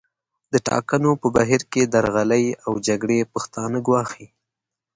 د ټاکنو په بهیر کې درغلۍ او جګړې پښتانه ګواښي